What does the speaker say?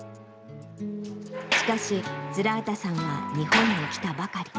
しかし、ズラータさんは日本に来たばかり。